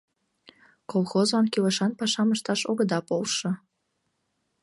Колхозлан кӱлешан пашам ышташ огыда полшо...